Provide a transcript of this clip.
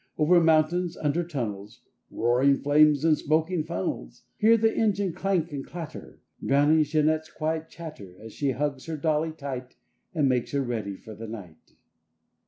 Over mountains, under tunnels, Roaring flames and smoking funnels— Hear the engine clank and clatter! Drowning Jeanette's quiet chatter As she hugs her dolly tight And makes her ready for the night.